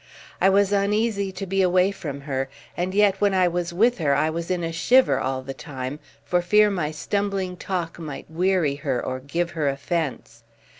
I was uneasy to be away from her, and yet when I was with her I was in a shiver all the time for fear my stumbling talk might weary her or give her offence.